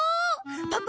パパ